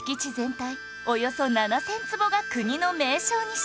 およそ７０００坪が国の名勝に指定